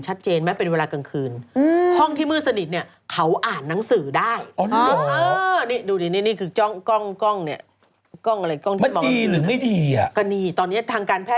มันไม่เห็นความรู้สึกในตา